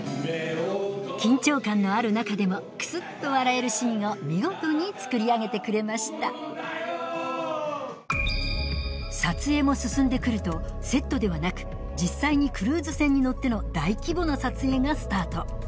緊張感のある中でもクスっと笑えるシーンを見事につくり上げてくれました撮影も進んで来るとセットではなく実際にクルーズ船に乗っての大規模な撮影がスタート